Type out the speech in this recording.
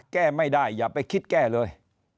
แก้ไม่ได้อย่าไปคิดแก้เลย